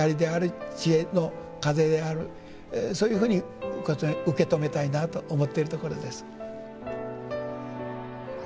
そういうふうに受け止めたいなと思っているところです。